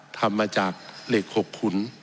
ทำมาจากเหล็ก๖ขุน